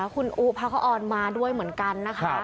คุณอู๊ะพระคะอร์ดมาด้วยเหมือนกัน